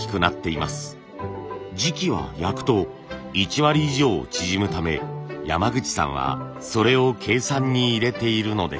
磁器は焼くと１割以上縮むため山口さんはそれを計算に入れているのです。